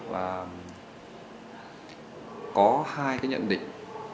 và có hai cái nhận định